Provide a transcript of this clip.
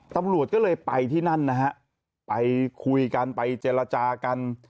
ตำรวจก็เลยไปที่นั่นนะฮะไปคุยกันไปเจรจากัน